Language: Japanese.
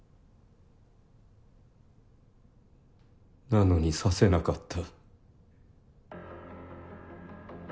なのに刺せなかった。